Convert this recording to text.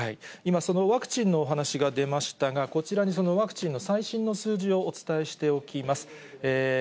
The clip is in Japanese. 今、そのワクチンのお話が出ましたが、こちらにそのワクチンの最新の数字をお伝えしておきます。